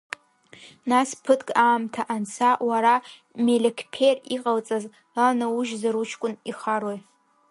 Нас ԥыҭк аамҭа анца Уара мелеқьԥер иҟалҵаз ланаужьзар уҷкәын ихарои?